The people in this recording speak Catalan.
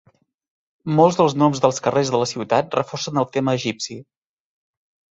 Molts dels noms dels carrers de la ciutat reforcen el tema "egipci".